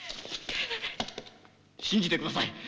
信じてください！